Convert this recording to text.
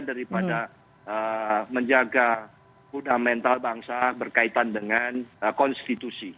daripada menjaga huda mental bangsa berkaitan dengan konstitusi